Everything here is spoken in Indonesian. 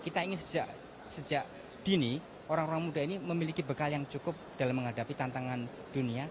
kita ingin sejak dini orang orang muda ini memiliki bekal yang cukup dalam menghadapi tantangan dunia